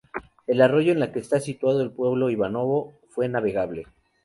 El arroyo en la que está situado el pueblo Ivanovo fue navegable.